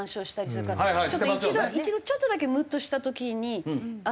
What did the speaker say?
ちょっと一度ちょっとだけムッとした時にあって。